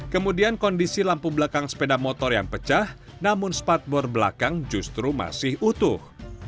kemudian kondisi lampu belakang sepeda motor yang pecah namun spartboard belakang justru masih utuh